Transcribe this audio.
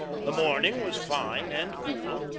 The morning was fine and cool.